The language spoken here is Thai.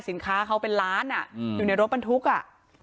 สินค้าเขาเป็นล้านอ่ะอยู่ในรถบรรทุกอ่ะ